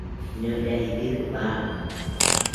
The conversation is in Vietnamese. Nơi đây biết bao